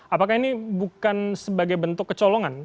apakah ini bukan sebagai bentuk kecolongan